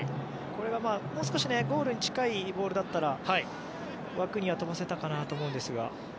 これがもう少しゴールに近いボールだったら枠には飛ばせたかなと思うんですが。